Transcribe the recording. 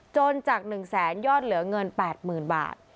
จนจากหนึ่งแสนยอดเหลือเงินแปดหมื่นบาท